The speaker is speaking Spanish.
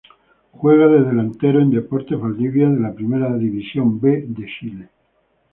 Juega de delantero en Deportes Valdivia de la Primera División B de Chile.